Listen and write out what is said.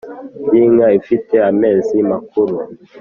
by’inka ifite amezi makuru